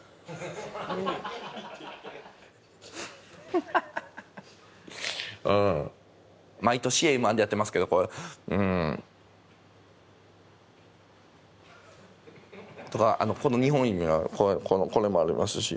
「フフッハハハハッうん」。毎年Ｍー１でやってますけどこう「うん」。とかこの２本指のこれもありますし。